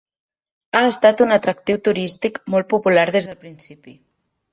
Ha estat un atractiu turístic molt popular des del principi.